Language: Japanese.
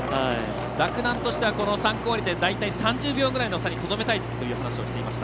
洛南としてはこの３区終わりで３０秒ぐらいの差にとどめたいという話をしていました。